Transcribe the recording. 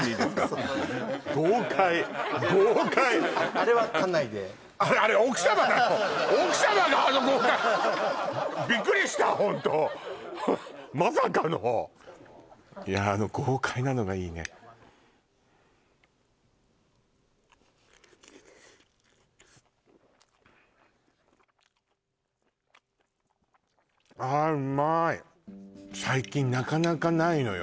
あれは家内でそうそう奥様があの豪快ビックリしたホントまさかのいやあの豪快なのがいいね最近なかなかないのよ